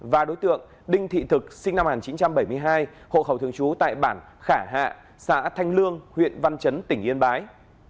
và đối tượng đinh thị thực sinh năm một nghìn chín trăm bảy mươi hai hộ khẩu thường trú tại bản khả hạ xã thanh lương huyện văn chấn tỉnh yên bái